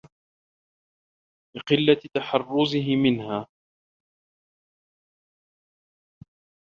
لِقِلَّةِ تَحَرُّزِهِ مِنْهَا